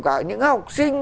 cả những học sinh